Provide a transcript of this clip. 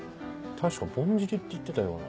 確かぼんじりって言ってたような。